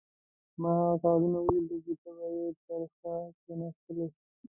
ما هغه کاغذونه ولیدل چې ته به یې تر شا کښېناستلې.